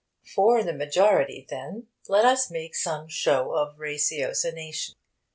For the majority, then, let us make some show of ratiocination.